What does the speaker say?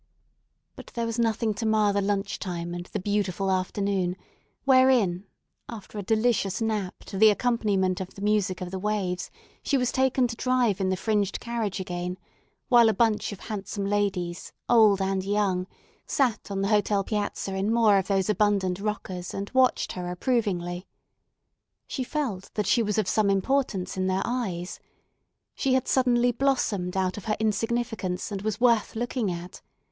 But there was nothing to mar the lunch time and the beautiful afternoon, wherein, after a delicious nap to the accompaniment of the music of the waves, she was taken to drive in the fringed carriage again, while a bunch of handsome ladies, old and young, sat on the hotel piazza in more of those abundant rockers, and watched her approvingly. She felt that she was of some importance in their eyes. She had suddenly blossomed out of her insignificance, and was worth looking at.